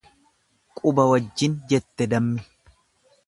Quba wajjin jette dammi.